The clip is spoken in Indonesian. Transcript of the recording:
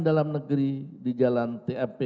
dalam negeri di jalan tmp